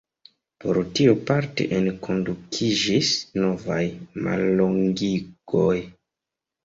Por tio parte enkondukiĝis novaj mallongigoj.